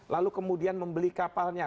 lalu kemudian membeli kapalnya